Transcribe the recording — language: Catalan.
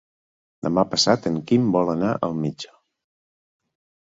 Demà passat en Quim vol anar al metge.